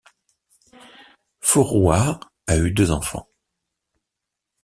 Forouhar a eu deux enfants.